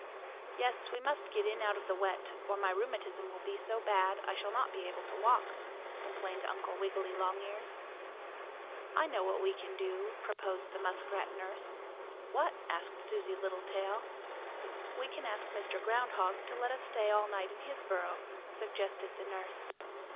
"Yes, we must get in out of the wet, or my rheumatism will be so bad I shall not be able to walk," complained Uncle Wiggily Longears. "I know what we can do," proposed the muskrat nurse. "What?" asked Susie Littletail. "We can ask Mr. Groundhog to let us stay all night in his burrow," suggested the nurse.